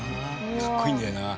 かっこいいんだよな。